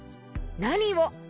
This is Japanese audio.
「なにを」